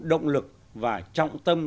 động lực và trọng tâm